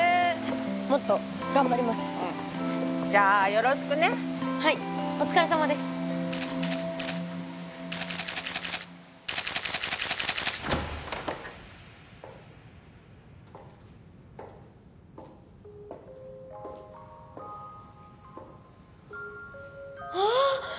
もっと頑張りますうんじゃあよろしくねはいお疲れさまですああ！